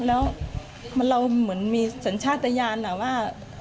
แล้วเราเหมือนมีสัญชาติยานว่า